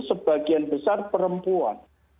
sebagian besar perempuan